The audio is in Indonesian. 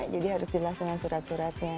jadi harus jelas dengan surat suratnya